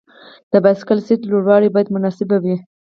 د بایسکل سیټ لوړوالی باید مناسب وي.